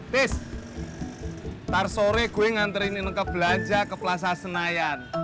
tis ntar sore gue nganterin ini ke belanja ke plaza senayan